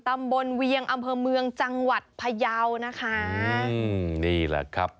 ตำบลเวียงอำเภอเมืองจังหวัดพยาวนะคะ